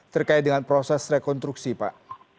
terkait dengan proses rekonstruksi pak